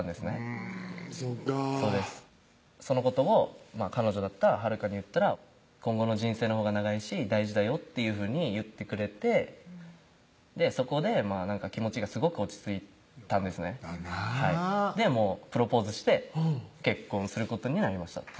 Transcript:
うんそっかそうですそのことを彼女だった晴香に言ったら「今後の人生のほうが長いし大事だよ」っていうふうに言ってくれてそこで気持ちがすごく落ち着いたんですねなぁでプロポーズして結婚することになりました